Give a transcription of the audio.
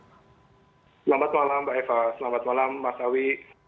selamat malam mbak eva selamat malam mas awi